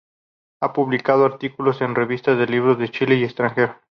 Ha publicado artículos en revistas y libros en Chile y el extranjero.